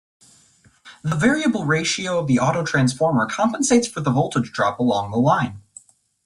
The variable ratio of the autotransformer compensates for the voltage drop along the line.